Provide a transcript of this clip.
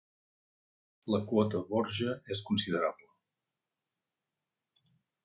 La quota Borja és considerable.